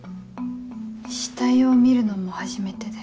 死体を見るのも初めてで。